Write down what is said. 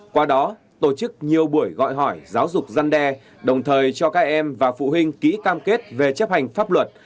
qua đó tổ chức nhiều buổi gọi hỏi giáo dục dân đe đồng thời cho các em và phụ huynh ký cam kết về chấp hành pháp luật